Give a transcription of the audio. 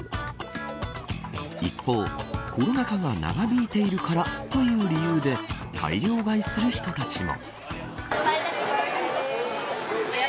一方、コロナ禍が長引いているからという理由で大量買いする人たちも。